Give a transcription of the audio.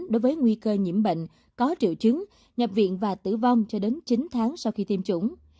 đối với nguy cơ nhiễm bệnh có triệu chứng nhập viện và tử vong cho đến chín tháng sau khi tiêm chủng